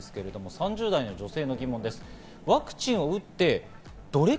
３０代女性の疑問です。